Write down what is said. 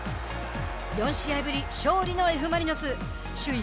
４試合ぶり勝利のＦ・マリノス首位